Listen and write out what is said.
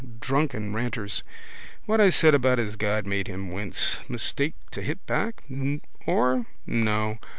Drunken ranters what I said about his God made him wince. Mistake to hit back. Or? No.